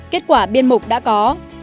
kết quả biên mục đã có